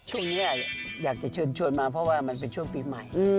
ช่วงนี้อยากจะเชิญชวนมาเพราะว่ามันเป็นช่วงปีใหม่